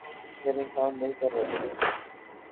جب انسان مل کر رہتے ہیں۔